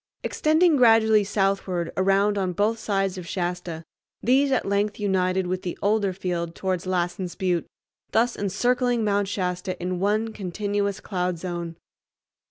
Extending gradually southward around on both sides of Shasta, these at length united with the older field towards Lassen's Butte, thus encircling Mount Shasta in one continuous cloud zone.